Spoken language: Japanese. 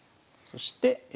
そして。